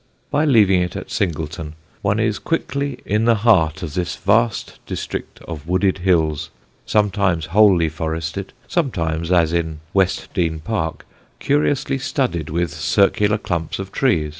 By leaving it at Singleton one is quickly in the heart of this vast district of wooded hills, sometimes wholly forested, sometimes, as in West Dean park, curiously studded with circular clumps of trees.